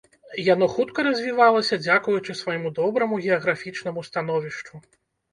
Яно хутка развівалася, дзякуючы свайму добраму геаграфічнаму становішчу.